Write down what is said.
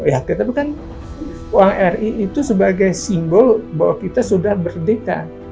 ya kita bukan uang ri itu sebagai simbol bahwa kita sudah berdekat